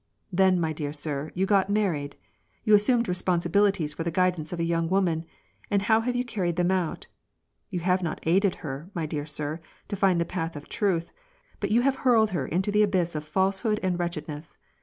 Then, my dear sir, you got married ; you assumed responsibilities for the guidance of a young woman, and how have you carried them out ? You have not aided her, my dear sir, to find the path of truth, but you have hurled her into the abyss of false hood and wretchedness.